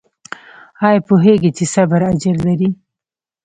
ایا پوهیږئ چې صبر اجر لري؟